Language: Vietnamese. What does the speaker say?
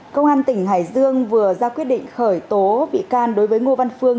công an tỉnh hải dương vừa ra quyết định khởi tố vị can đối với ngo văn phương